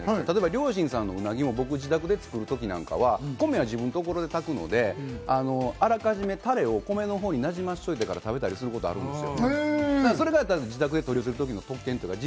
量深さんのうなぎも僕、作るときなんかは米は自分の家で炊くので、あらかじめタレを米のほうになじませてから食べたりすることもあるんです。